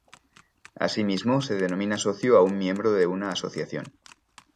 Asimismo, se denomina socio a un miembro de una asociación.